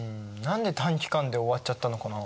何で短期間で終わっちゃったのかな？